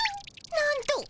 なんと！